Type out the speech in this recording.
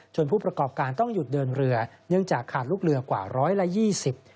ผู้ประกอบการต้องหยุดเดินเรือเนื่องจากขาดลูกเรือกว่าร้อยละยี่สิบ